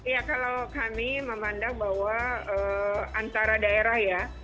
ya kalau kami memandang bahwa antara daerah ya